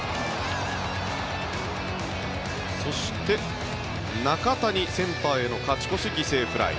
そして、中谷センターへの勝ち越し犠牲フライ。